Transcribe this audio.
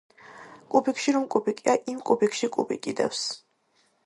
კუბიკში, რომ კუბიკია იმ კუბიკში კუბიკი დევს.